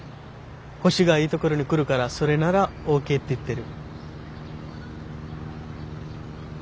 星がいいところに来るからそれならＯＫって言ってる。